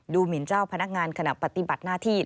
หมินเจ้าพนักงานขณะปฏิบัติหน้าที่